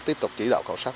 tiếp tục chỉ đạo khảo sát